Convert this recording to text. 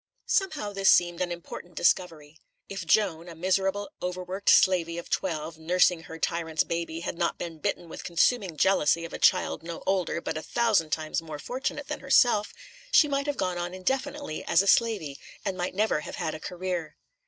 Somehow this seemed an important discovery. If Joan, a miserable, overworked slavey of twelve, nursing her tyrant's baby, had not been bitten with consuming jealousy of a child no older but a thousand times more fortunate than herself, she might have gone on indefinitely as a slavey, and might never have had a career.